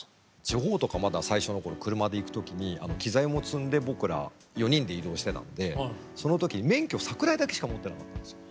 地方とかまだ最初の頃車で行く時に機材も積んで僕ら４人で移動してたんでその時に免許桜井だけしか持ってなかったんですよ。